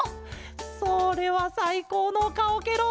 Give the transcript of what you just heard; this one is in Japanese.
それはさいこうのかおケロ！